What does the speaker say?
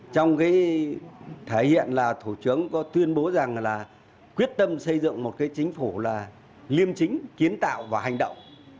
trong cái thể hiện là thủ tướng có tuyên bố rằng là quyết tâm xây dựng một cái chính phủ là liêm chính kiến tạo và hành động